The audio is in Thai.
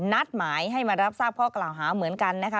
นัดหมายให้มารับทราบข้อกล่าวหาเหมือนกันนะคะ